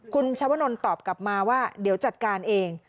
คุณชวนลตอบกลับมาว่าเดี๋ยวจัดการเอง